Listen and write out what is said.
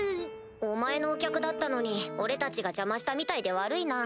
お前のお客だったのに俺たちが邪魔したみたいで悪いな。